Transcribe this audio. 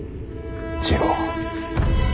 次郎。